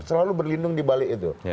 selalu berlindung di bali itu